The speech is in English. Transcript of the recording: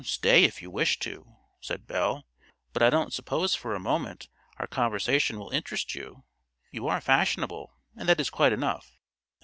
"Stay, if you wish to," said Belle; "but I don't suppose for a moment our conversation will interest you. You are fashionable; and that is quite enough.